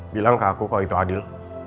bilang ke aku kalau itu adil